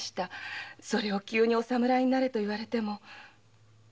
それを急にお侍になれと言われても。